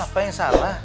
papa yang salah